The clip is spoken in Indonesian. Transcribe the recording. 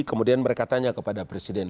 kemudian mereka tanya kepada presiden